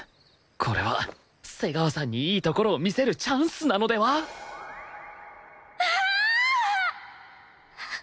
これは瀬川さんにいいところを見せるチャンスなのでは！？キャーッ！！